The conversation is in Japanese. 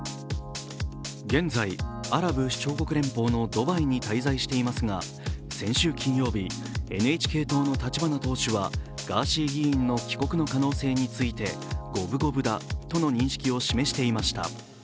現在、アラブ首長国連邦のドバイに滞在していますが、先週金曜日、ＮＨＫ党の立花党首はガーシー議員の帰国の可能性について五分五分だとの認識を示していました。